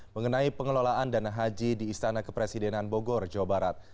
mengenai pengelolaan dana haji di istana kepresidenan bogor jawa barat